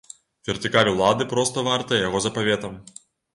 Вертыкаль улады проста вартая яго запаветам.